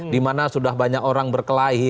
dimana sudah banyak orang berkelahi